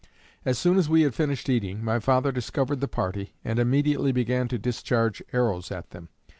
As soon as we had finished eating, my father discovered the party, and immediately began to discharge arrows at them.